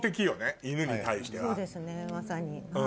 そうですねまさに。